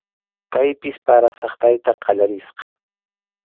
Kaypis para saqtayta qallarisqa.